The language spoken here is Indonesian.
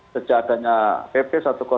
sejak adanya pp satu ratus sembilan dua belas